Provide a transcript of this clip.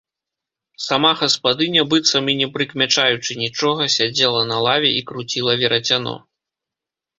Сама гаспадыня, быццам і не прыкмячаючы нічога, сядзела на лаве і круціла верацяно.